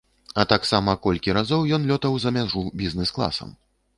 А таксама колькі разоў ён лётаў за мяжу бізнэс-класам.